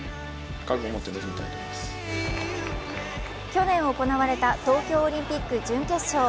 去年行われた東京オリンピック準決勝。